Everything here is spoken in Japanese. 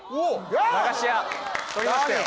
駄菓子屋とりましたよ